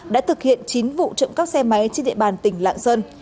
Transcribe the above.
đã thực hiện chín vụ trộm cắp xe máy trên địa bàn tỉnh lạng sơn